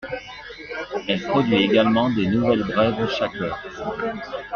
Elle produit également des nouvelles brèves chaque heure.